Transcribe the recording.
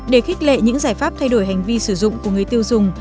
để khích lệ những giải pháp thay đổi hành vi sử dụng của người tiêu dùng